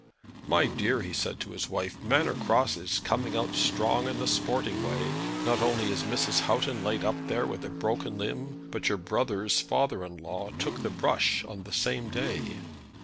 "My dear," he said to his wife, "Manor Cross is coming out strong in the sporting way. Not only is Mrs. Houghton laid up there with a broken limb, but your brother's father in law took the brush on the same day."